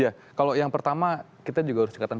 ya kalau yang pertama kita juga harus cekatan